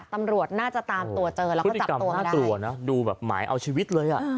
ตำรวจน่าจะตามตัวเจอแล้วก็จับตัวได้คุณพี่กรรมหน้าตัวนะดูแบบหมายเอาชีวิตเลยอ่ะ